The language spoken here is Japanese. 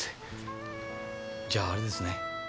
じゃああれですね